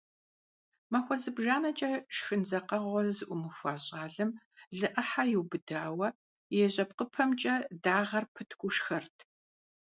Махуэ зыбжанэкӀэ шхын дзакъэгъуэ зыӏумыхуа щӏалэм лы Ӏыхьэ иубыдауэ и жьэпкъыпэмкӀэ дагъэр пыткӀуу шхэрт.